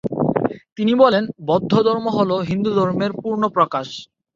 তিনি বলেন, বৌদ্ধধর্ম হল হিন্দুধর্মের পূর্ণ প্রকাশ।